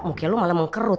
mungkin lo malah mengkerut